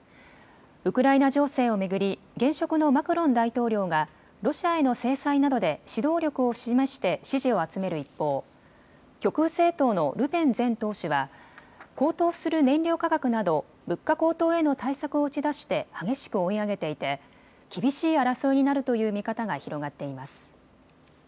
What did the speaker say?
ウクライナ情勢を巡り現職のマクロン大統領がロシアへの制裁などで指導力を示して支持を集める一方、極右政党のルペン前党首は高騰する燃料価格など物価高騰への対策を打ち出して激しく追い上げていて厳しい争いになるという見方が広がっています。